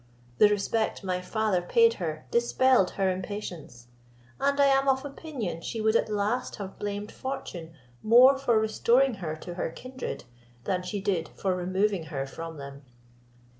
The respect my father paid her dispelled her impatience; and I am of opinion she would at last have blamed fortune more for restoring her to her kindred, than she did for removing her from them.